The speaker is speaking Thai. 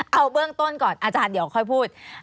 เอาเบื้องต้นก่อนอาจารย์เดี๋ยวค่อยพูด